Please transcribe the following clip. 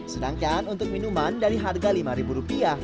sedangkan untuk minuman dari harga lima rupiah